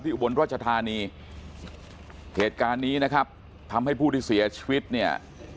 อุบลราชธานีเหตุการณ์นี้นะครับทำให้ผู้ที่เสียชีวิตเนี่ย